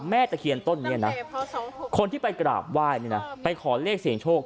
แม่ตะเคียนต้นนี้นะคนที่ไปกราบไหว้ไปขอเริกเสียงโชค